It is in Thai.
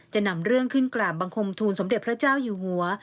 จะนำเรื่องขึ้นกราบบังคมทูลสมเด็จพระเจ้าอยู่หัว